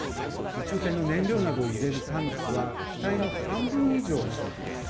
宇宙船の燃料などを入れるタンクは、機体の半分以上を占めています。